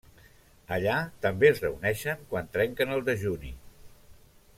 Allà també es reuneixen quan trenquen el dejuni.